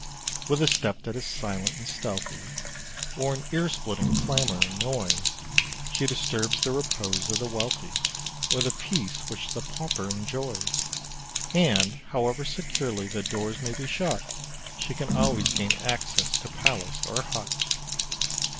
With a step that is silent and stealthy, Or an earsplitting clamor and noise, She disturbs the repose of the wealthy, Or the peace which the pauper enjoys. And, however securely the doors may be shut, She can always gain access to palace or hut.